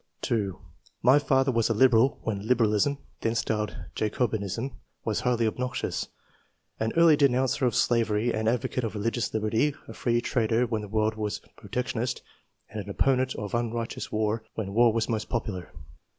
2. "My father was a Liberal when Liberalism (then styled Jacobinism) was h'^^^" obnoxious, an early denouncer of slavery II.] QUALITIES. 123 and advocate of religious liberty, a free trader when the world was protectionist, and an op ponent of unrighteous war when war was most popular.